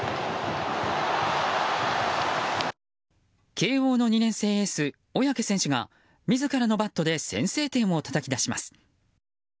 慶応の２年生エース、小宅選手が自らのバットで先制点をたたき出します。